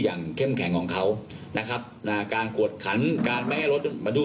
เข้มแข็งของเขานะครับนะการกวดขันการไม่ให้รถมาดู